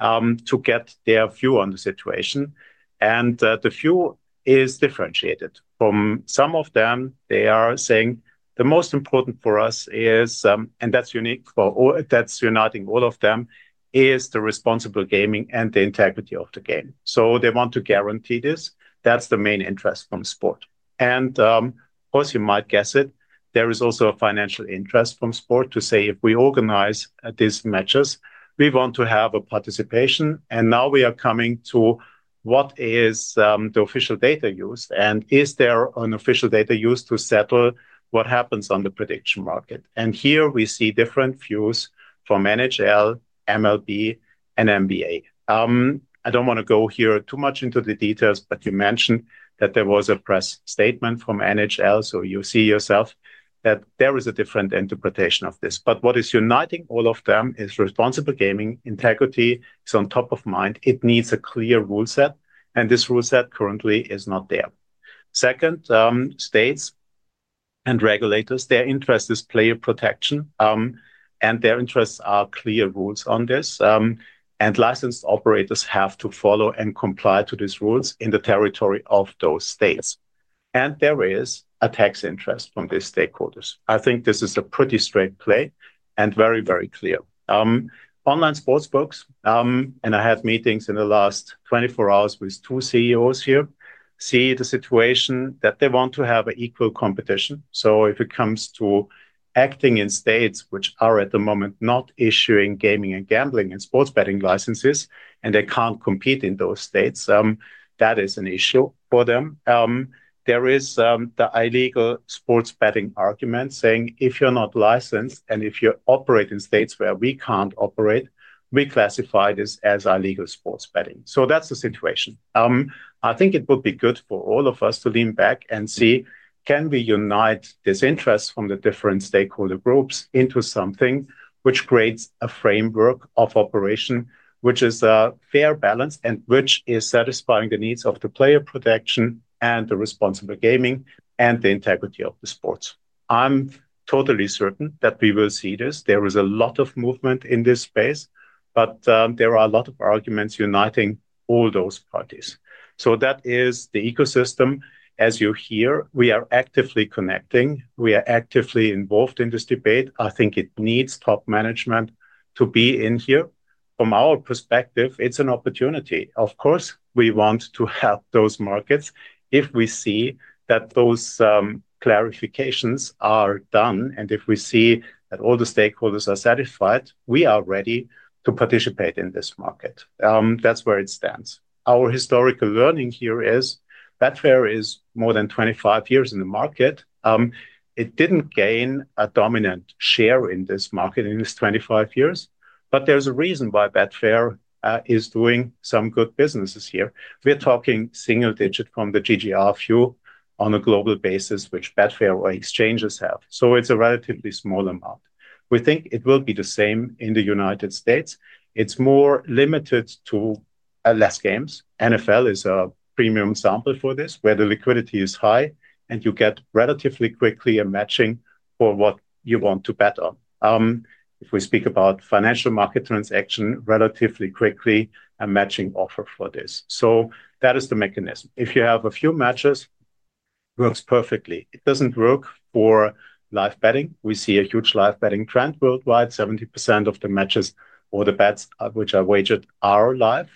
to get their view on the situation. The view is differentiated from some of them. They are saying the most important for us is, and that's unique for, that's uniting all of them, is the responsible gaming and the integrity of the game. They want to guarantee this. That's the main interest from sport. Of course you might guess it, there is also a financial interest from sport to say if we organize these matches, we want to have a participation. Now we are coming to what is the official data used and is there an official data used to settle what happens on the prediction market? Here we see different views from NHL, MLB, and NBA. I do not want to go here too much into the details, but you mentioned that there was a press statement from NHL, so you see yourself that there is a different interpretation of this. What is uniting all of them is responsible gaming integrity is on top of mind. It needs a clear rule set and this rule set currently is not there. Second, states and regulators, their interest is player protection and their interests are clear rules on this. Licensed operators have to follow and comply to these rules in the territory of those states. There is a tax interest from these stakeholders. I think this is a pretty straight play and very, very clear. Online sportsbooks and I had meetings in the last 24 hours with two CEOs here, see the situation that they want to have an equal competition. If it comes to acting in states which are at the moment not issuing gaming and gambling and sports betting licenses and they can't compete in those states, that is an issue for them. There is the illegal sports betting argument saying if you're not licensed and if you operate in states where we can't operate, we classify this as illegal sports betting. That is the situation. I think it would be good for all of us to lean back and see can we unite this interest from the different stakeholder groups into something which creates a framework of operation which is a fair balance and which is satisfying the needs of the player protection and the responsible gaming and the integrity of the sports. I'm totally certain that we will see this, there is a lot of movement in this space, but there are a lot of arguments uniting all those parties. That is the ecosystem. As you hear, we are actively connecting, we are actively involved in this debate. I think it needs top management to be in here. From our perspective, it's an opportunity. Of course we want to help those markets. If we see that those clarifications are done and if we see that all the stakeholders are satisfied, we are ready to participate in this market. That's where it stands. Our historical learning here is Betfair is more than 25 years in the market. It didn't gain a dominant share in this market in these 25 years. There's a reason why Betfair is doing some good businesses here. We're talking single digit from the GGR fuel on a global basis, which Betfair or exchanges have. It's a relatively small amount. We think it will be the same in the United States. It's more limited to fewer games. NFL is a premium sample for this, where the liquidity is high and you get relatively quickly a matching for what you want to bet on. If we speak about financial market transaction, relatively quickly a matching offer for this. That is the mechanism, if you have a few matches works perfectly. It does not work for live betting. We see a huge live betting trend worldwide. 70% of the matches or the bets which are wagered are live.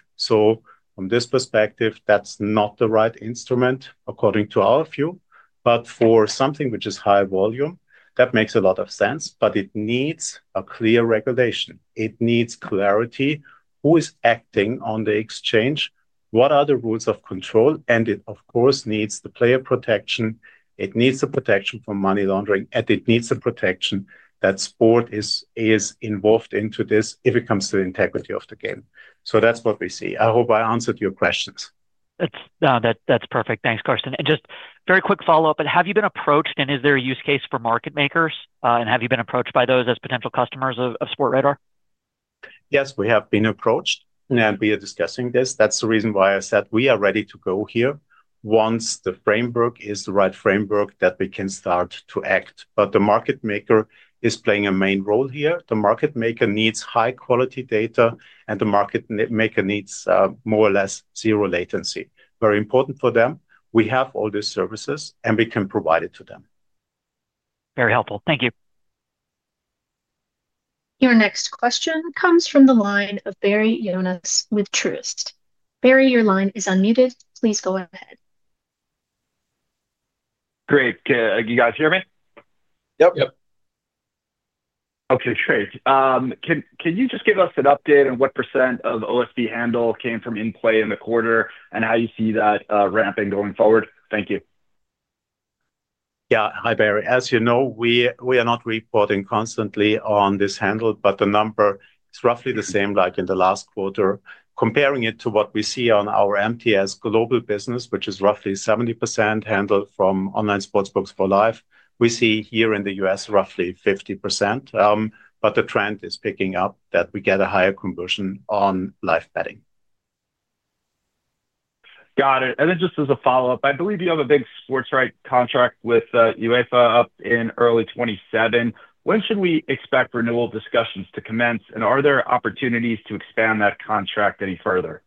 From this perspective, that is not the right instrument according to our view, but for something which is high volume, that makes a lot of sense. It needs a clear regulation, it needs clarity. Who is acting on the exchange, what are the rules of control? It of course needs the player protection, it needs the protection from money laundering and it needs the protection that sport is involved into this if it comes to the integrity of the game. That is what we see. I hope I answered your questions. That's perfect. Thanks Carsten. Just very quick follow up. Have you been approached and is there a use case for market makers and have you been approached by those as potential customers of Sportradar? Yes, we have been approached and we are discussing this. That is the reason why I said we are ready to go here. Once the framework is the right framework that we can start to act. The market maker is playing a main role here. The market maker needs high quality data and the market maker needs more or less zero latency. Very important for them. We have all these services and we can provide it to them. Very helpful. Thank you. Your next question comes from the line of Barry Jonas with Truist. Barry, your line is unmuted, please go ahead. Great. You guys hear me? Okay, great. Can you just give us an update on what percent of OSB handle came from in play in the quarter and how you see that ramping going forward? Thank you. Hi, Barry. As you know, we are not reporting constantly on this handle, but the number is roughly the same like in the last quarter. Comparing it to what we see on our MTS Global business, which is roughly 70% handled from online sportsbooks for live, we see here in the U.S. roughly 50%. The trend is picking up that we get a higher conversion on live betting. Got it. Just as a follow up, I believe you have a big sports right contract with UEFA up in early 2027. When should we expect renewal discussions to commence and are there opportunities to expand that contract any further?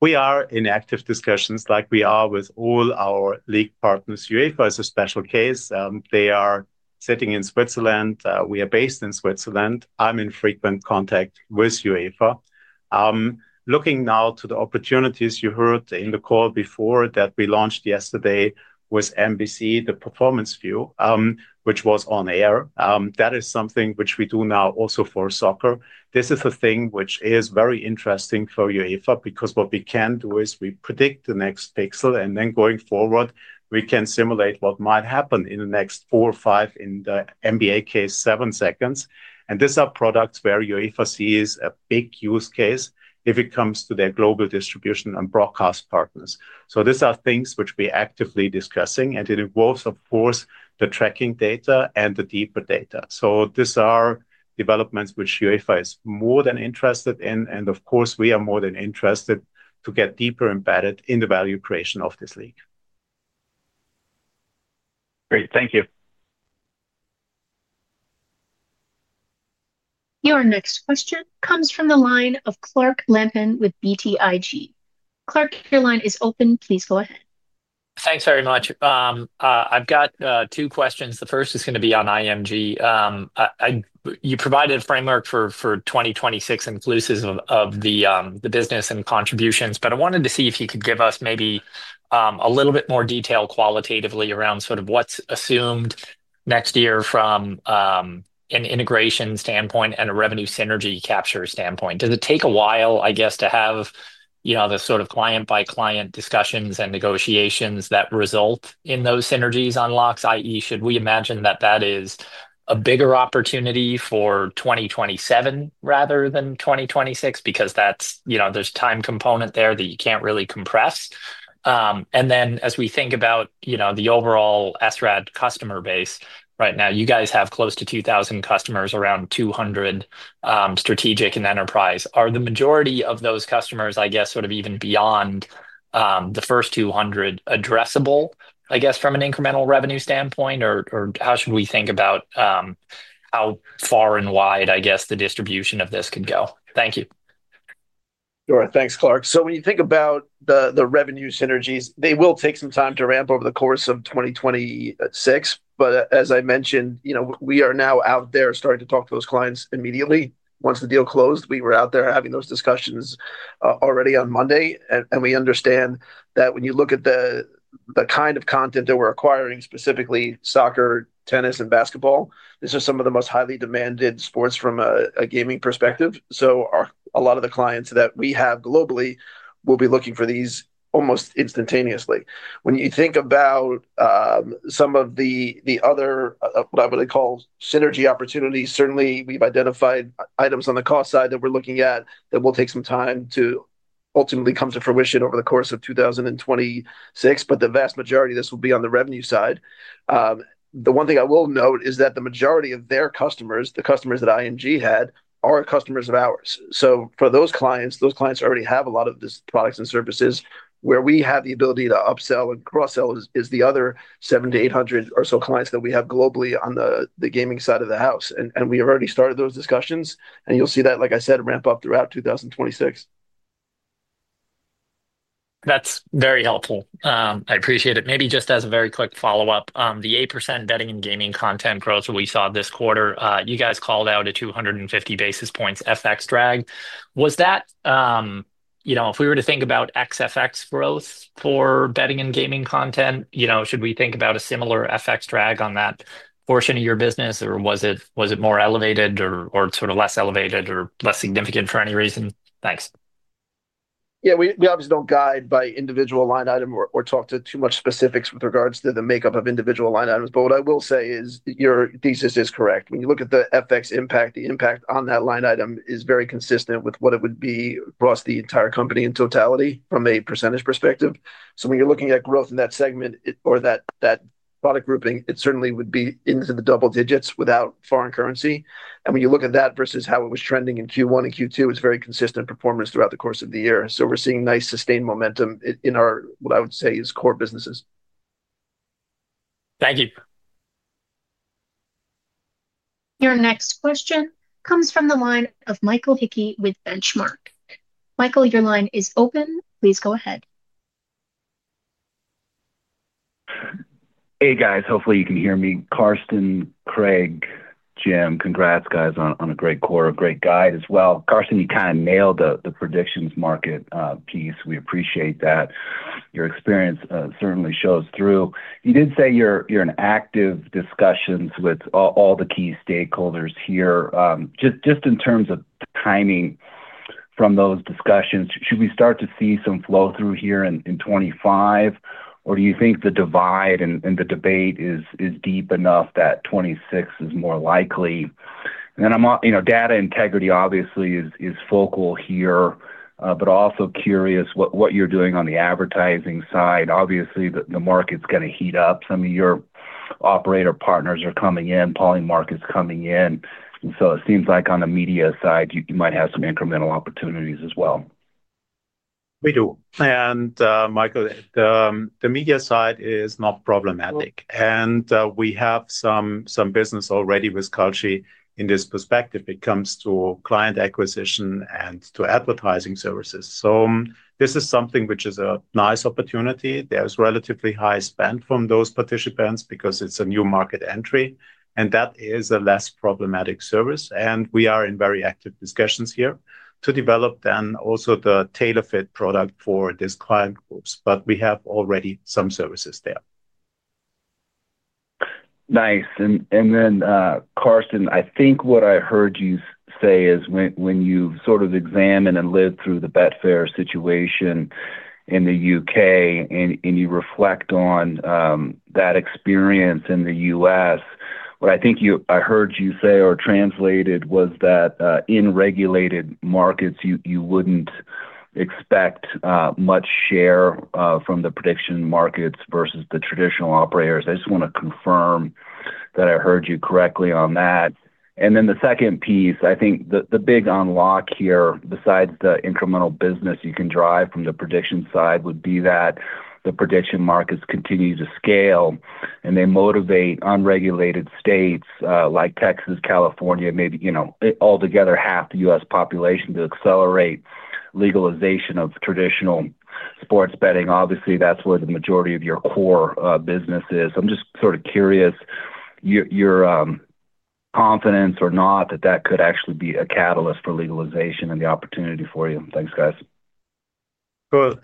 Thanks. We are in active discussions like we are with all our league partners. UEFA is a special case. They are sitting in Switzerland. We are based in Switzerland. I'm in frequent contact with UEFA. Looking now to the opportunities you heard in the call before that we launched yesterday with NBC the Performance View, which was on air. That is something which we do now also for soccer. This is the thing which is very interesting for UEFA because what we can do is we predict the next pixel and then going forward, we can simulate what might happen in the next four or five in the NBA case. Seven seconds. And these are products where UEFA sees a big use case if it comes to their global distribution and broadcast partners. These are things which we actively discussing and it involves of course the tracking data and the deeper data. These are developments which UEFA is more than interested in and of course we are more than interested to get deeper embedded in the value creation of this league. Great, thank you. Your next question comes from the line of Clark Lampen with BTIG. Clark, your line is open. Please go ahead. Thanks very much. I've got two questions. The first is going to be on IMG. You provided a framework for 2026 inclusive of the business and contributions. I wanted to see if you could give us maybe a little bit more detail qualitatively around sort of what's assumed next year from an integration standpoint and a revenue synergy capture standpoint. Does it take a while, I guess, to have, you know, the sort of client by client discussions and negotiations that result in those synergies unlocks, that is, should we imagine that that is a bigger opportunity for 2027 rather than 2026 because that's, you know, there's a time component there that you can't really compress. As we think about, you know, the overall Sportradar customer base right now, you guys have close to 2,000 customers. Around 200 strategic and enterprise are the majority of those customers. I guess sort of even beyond the first 200 addressable, I guess from an incremental revenue standpoint or how should we think about how far and wide I guess the distribution of this can go. Thank you. Sure. Thanks, Clark. When you think about the revenue synergies, they will take some time to ramp over the course of 2026. As I mentioned, you know, we are now out there starting to talk to those clients immediately once the deal closed. We were out there having those discussions already on Monday and we understand that when you look at the kind of content that we're acquiring, specifically soccer, tennis, and basketball, these are some of the most highly demanded sports from a gaming perspective. A lot of the clients that we have globally will be looking for these almost instantaneously. When you think about some of the other what I would call synergy opportunities, certainly we've identified items on the cost side that we're looking at that will take some time to ultimately come to fruition over the course of 2026. The vast majority of this will be on the revenue side. The one thing I will note is that the majority of their customers, the customers that IMG Arena had, are customers of ours. For those clients, those clients already have a lot of products and services where we have the ability to upsell and cross sell. It is the other 700-800 or so clients that we have globally on the gaming side of the house. We already started those discussions and you will see that, like I said, ramp up throughout 2026. That's very helpful. I appreciate it. Maybe just as a very quick follow up, the 8% betting and gaming content growth we saw this quarter, you guys called out a 200, 150 basis points FX drag. Was that, you know, if we were to think about XFX growth for betting and gaming content, you know, should we think about a similar FX drag on that portion of your business or was it, was it more elevated or sort of less elevated or less significant for any reason? Thanks. We obviously don't guide by individual line item or talk to too much specifics with regards to the makeup of individual line items. What I will say is your thesis is correct when you look at the FX impact, the impact on that line item is very consistent with what it would be across the entire company in totality from a percentage perspective. When you're looking at growth in that segment or that product grouping, it certainly would be into the double digits without foreign currency. When you look at that versus how it was trending in Q1 and Q2, it's very consistent performance throughout the course of the year. We're seeing nice sustained momentum in our, what I would say is core businesses. Thank you. Your next question comes from the line of Michael Hickey with Benchmark. Michael, your line is open. Please go ahead. Hey guys, hopefully you can hear me. Carsten, Craig, Jim, congrats guys, on a great quarter, great guide as well. Carsten, you kind of nailed the predictions market piece. We appreciate that. Your experience certainly shows through. You did say you're in active discussions with all the key stakeholders here. Just in terms of timing from those discussions, should we start to see some flow through here in 2025 or do you think the divide and the debate is deep enough that 2026 is more likely? And then, you know, data integrity obviously is focal here, but also curious what you're doing on the advertising side. Obviously the market's going to heat up. Some of your operator partners are coming in, Polymarket is coming in. It seems like on the media side you might have some incremental opportunities as well. We do. Michael, the media side is not problematic and we have some business already with Kalshi in this perspective. It comes to client acquisition and to advertising services. This is something which is a nice opportunity. There is relatively high spend from those participants because it is a new market entry and that is a less problematic service. We are in very active discussions here to develop then also the tailor fit product for these client groups. We have already some services there. Nice and then Carsten, I think what I heard you say is when you sort of examine and live through the Betfair situation in the UK and you reflect on that experience in the US what I think I heard you say or translated was that in regulated markets you wouldn't expect much share from the prediction markets versus the traditional operators. I just want to confirm that I heard you correctly on that. And then the second piece, I think the big unlock here, besides the incremental business you can drive from the prediction side would be that the prediction markets continue to scale and they motivate unregulated states like Texas, California, maybe, you know, Altogether half the US population to accelerate legalization of traditional sports betting. Obviously, that's where the majority of your core business is. I'm just sort of curious your confidence or not that that could actually be a catalyst for legalization and the opportunity for you. Thanks, guys. Good.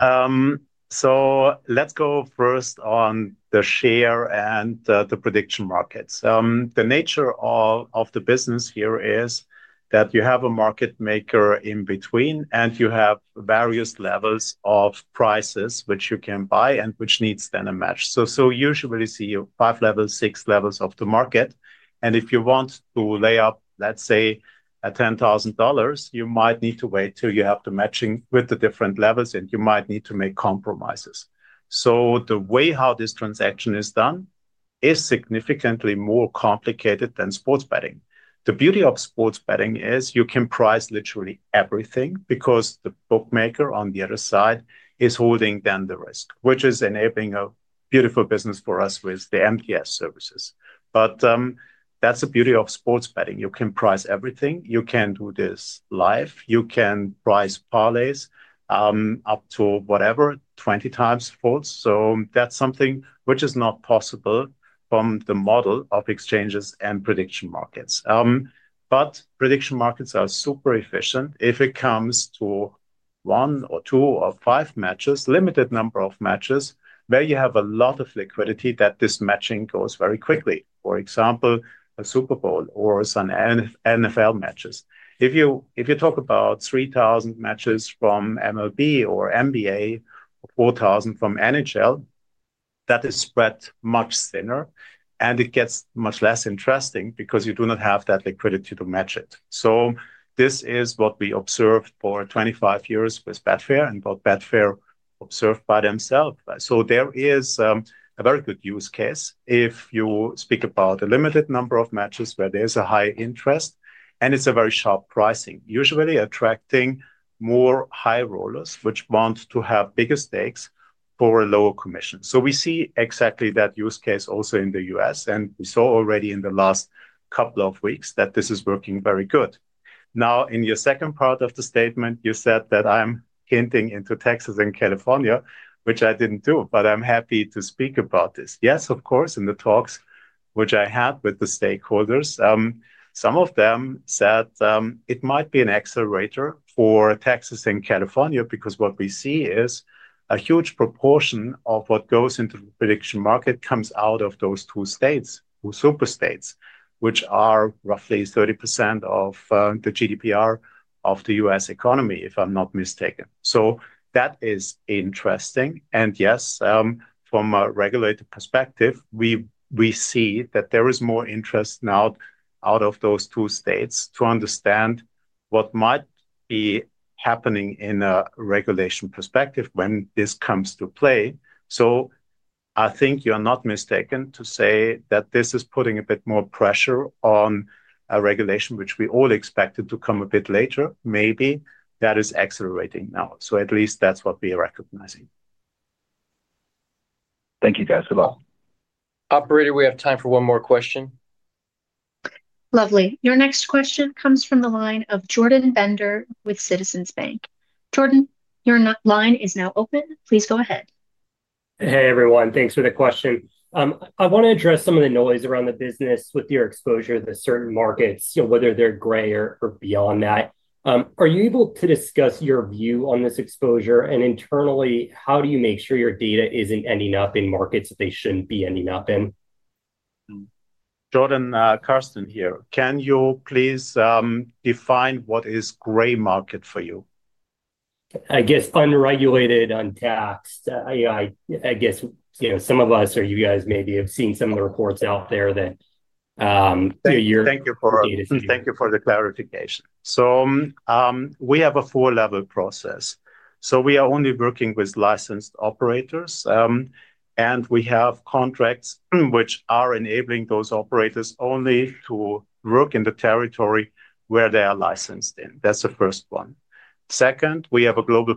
So let's go first on the share and the prediction markets. The nature of the business here is that you have a market maker in between and you have various levels of prices which you can buy and which needs then a match. So so usually see five levels, six levels of the market. And if you want to lay up, let's say a $10,000, you might need to wait till you have the matching with the different levels and you might need to make compromises. So the way how this transaction is done is significantly more complicated than sports betting. The beauty of sports betting is you can price literally any everything because the bookmaker on the other side is holding down the risk, which is enabling a beautiful business for us with the MTS services. But that's the beauty of sports betting. You can price everything. You can do this live. You can price parlays up to whatever 20 times folds. So that's something which is not possible from the model of exchanges and prediction markets. But prediction markets are super efficient if it comes to one or two or five matches, limited number of matches where you have a lot of liquidity that this matching goes very quickly. For example, a Super Bowl or some NFL matches, if you talk about 3,000 matches from MLB or MBA or 4,000 from NHL, that is spread much thinner and it gets much less interesting because you do not have that liquidity to match it. So this is what we observed for 25 years with Betfair and both Betfair observed by themselves. There is a very good use case if you speak about a limited number of matches where there is a high interest and it is a very sharp pricing, usually attracting more high rollers which want to have bigger stakes for a lower commission. We see exactly that use case also in the U.S. and we saw already in the last couple of weeks that this is working very good. Now, in your second part of the statement, you said that I am hinting into Texas and California, which I did not do, but I am happy to speak about this. Yes, of course, in the talks which I had with the stakeholders, some of them said it might be an accelerator for taxes in California, because what we see is a huge proportion of what goes into the prediction market comes out of those two states, super states, which are roughly 30% of the GDP of the US economy, if I'm not mistaken. So that is interesting. And yes, from a regulated perspective, we see that there is more interest now out of those two states to understand what might be happening in a regulation perspective when this comes to play. So I think you are not mistaken to say that this is putting a bit more pressure on a regulation which we all expected to come a bit later, maybe that is accelerating now. So at least that's what we are recognizing. Thank you guys a lot. Operator, we have time for one more question. Lovely. Your next question comes from the line of Jordan Bender with Citizens Bank. Jordan, your line is now open. Please go ahead. Hey everyone, thanks for the question. I want to address some of the noise around the business with your exposure to certain markets, whether they're gray or beyond that. Are you able to discuss your view on this exposure and internally, how, how do you make sure your data isn't ending up in markets that they shouldn't be ending up in? Jordan, Carsten here. Can you please define what is gray market for you? I guess unregulated, untaxed. I guess some of us, or you guys maybe have seen some of the reports out there that. Thank you for, thank you for the clarification. So we have a four level process. So we are only working with licensed operators and we have contracts which are enabling those operators only to work in the territory where they are licensed in. That's the first one. Second, we have a global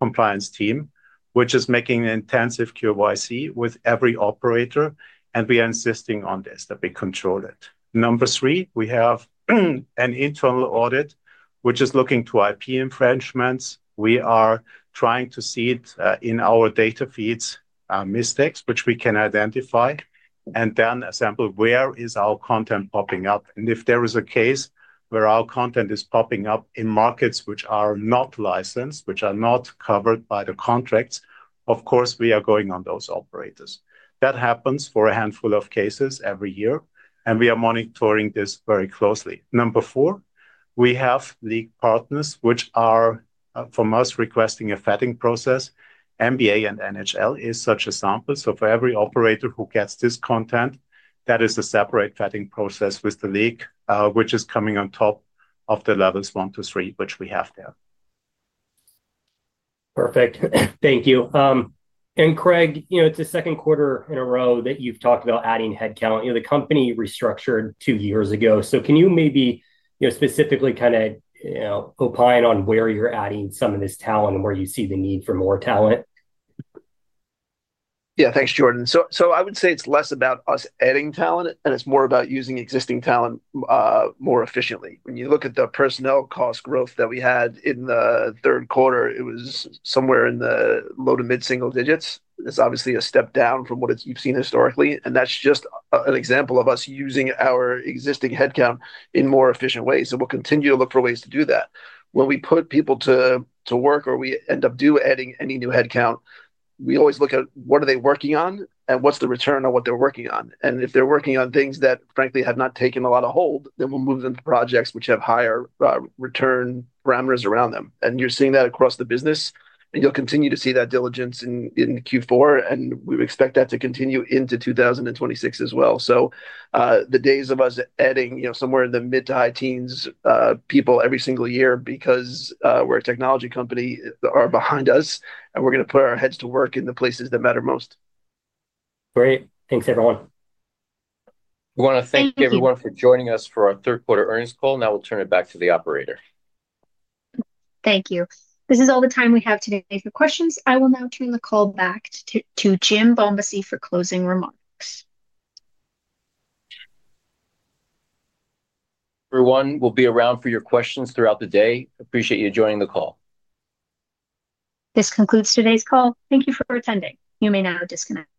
compliance team which is making intensive KYC with every operator and we are insisting on this, that we control it. Number three, we have an internal audit which is looking to IP infringements. We are trying to see it in our data feeds, mistakes which we can identify and then assemble. Where is our content popping up? And if there is a case where our content is popping up in markets which are not licensed, which are not covered by the contracts, of course we are going on those all operators. That happens for a handful of cases every year. We are monitoring this very closely. Number four, we have league partners which are from us requesting a vetting process. NBA and NHL is such a sample. For every operator who gets this content, that is a separate vetting process with the league which is coming on top of the levels 1 to 3 which we have there. Perfect, thank you. And Craig, you know, it's the second quarter in a row that you've talked about adding headcount. You know, the company restructured two years ago. So can you maybe, you know, specifically kind of, you know, opine on where you're adding some of this talent and where you see the need for more talent. Thanks, Jordan. So. So I would say it's less about us adding talent and it's more about using existing talent more efficiently. When you look at the personnel cost growth that we had in the third quarter, it was somewhere in the low to mid single digits. It's obviously a step down from what you've seen historically. And that's just an example of us using our existing headcount in more efficient ways. And we'll continue to look for ways to do that. When we put people to to work or we end up do adding any new headcount, we always look at what are they working on and what's the return on what they're working on. And if they're working on things that frankly have not taken a lot of hold, then we'll move them to projects which have higher return parameters around them. You are seeing that across the business and you will continue to see that diligence in Q4 and we expect that to continue into 2026 as well. The days of us adding, you know, somewhere in the mid to high teens people every single year because we are a technology company are behind us and we are going to put our heads to work in the places that matter most. Great. Thanks everyone. We want to thank everyone for joining us for our third quarter earnings call. Now we'll turn it back to the operator. Thank you. This is all the time we have today for questions. I will now turn the call back to Jim Bombassei for closing remarks. Everyone will be around for your questions throughout the day. Appreciate you joining the call. This concludes today's call. Thank you for attending. You may now disconnect.